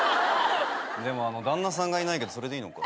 でも旦那さんがいないけどそれでいいのか？